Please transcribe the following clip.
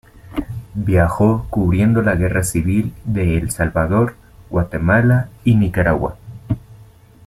Viajó cubriendo la guerra civil de El Salvador, Guatemala y Nicaragua.